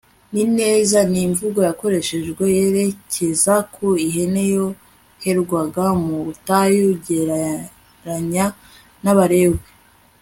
neza Ni imvugo yakoreshejwe yerekeza ku ihene yoherwaga mu butayu Gereranya n Abalewi